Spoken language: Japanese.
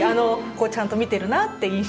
ちゃんと見てるなって印象